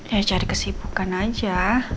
ya jadi kesibukan aja